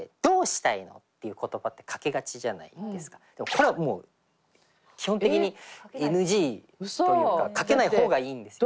これはもう基本的にＮＧというかかけない方がいいんですよね。